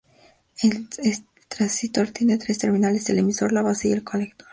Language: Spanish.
El transistor tiene tres terminales: el emisor, la base y el colector.